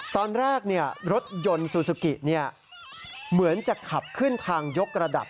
ตอนแรกรถยนต์ซูซูกิเหมือนจะขับขึ้นทางยกระดับ